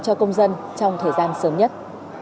cho công dân trong thời gian sớm nhất